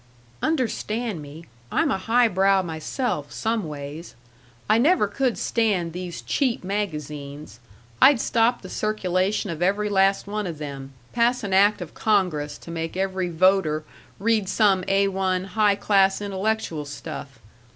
"Understan' me; I'm a high brow myself some ways. I never could stand these cheap magazines. I'd stop the circulation of every last one of them; pass an act of Congress to make every voter read some A 1, high class, intellectual stuff.